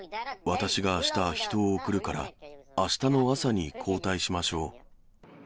私があした、人を送るから、あしたの朝に交代しましょう。